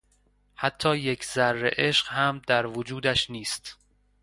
حتی یک ذره عشق هم در وجودش نیست.